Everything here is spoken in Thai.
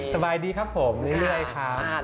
สบายดีครับผมเรื่อยครับ